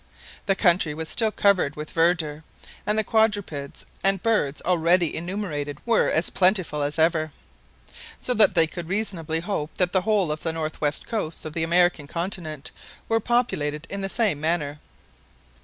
The country was still covered with verdure, and the quadrupeds and birds already enumerated were as plentiful as ever; so that they could reasonably hope that the whole of the north western coasts of the American continent were populated in the same manner.